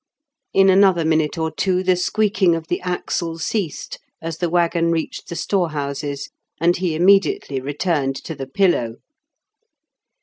In another minute or two the squeaking of the axle ceased, as the waggon reached the storehouses, and he immediately returned to the pillow.